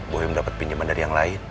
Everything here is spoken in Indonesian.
boy mendapat pinjeman dari yang lain